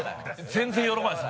全然喜ばないです